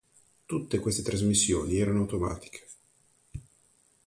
Tutte queste trasmissioni erano automatiche.